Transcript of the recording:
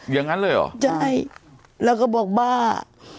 อย่างนั้นเลยเหรอใช่แล้วก็บอกบ้า